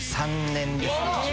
２３年です。